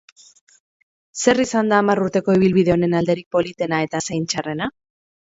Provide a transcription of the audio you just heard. Zer izan da hamar urteko ibilbide honen alderik politena eta zein txarrena?